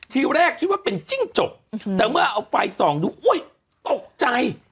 ทีแรกคิดว่าเป็นจิ้งจกแต่เมื่อเอาไฟส่องดูอุ้ยตกใจ